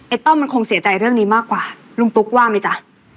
ต้อมมันคงเสียใจเรื่องนี้มากกว่าลุงตุ๊กว่าไหมจ๊ะ